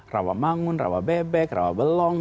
rawa mangun rawa bebek rawa belong